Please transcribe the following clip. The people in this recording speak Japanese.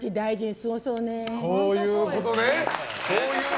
そういうことね！